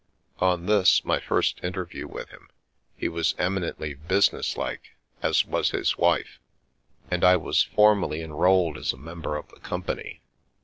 On this, my first interview with him, he was eminently businesslike, as was his wife, and I was formally en rolled as a member of the company.